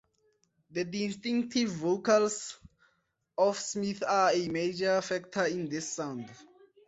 The distinctive vocals of Smith are a major factor in this sound.